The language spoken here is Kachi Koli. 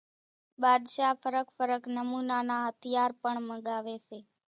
ٻاۮشاھ ڦرق ڦرق نمونا نان ھٿيار پڻ منڳاوي سي